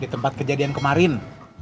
di tempat kejadian kemarin